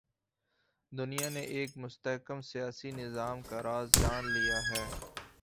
دنیا نے ایک مستحکم سیاسی نظام کا راز جان لیا ہے۔